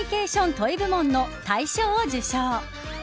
・トイ部門の大賞を受賞。